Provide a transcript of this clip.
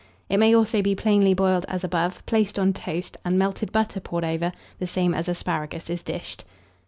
It may also be plainly boiled as above, placed on toast, and melted butter poured over, the same as asparagus is dished.